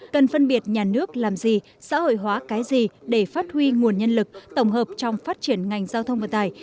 cần phân biệt nhà nước làm gì xã hội hóa cái gì để phát huy nguồn nhân lực tổng hợp trong phát triển ngành giao thông vận tải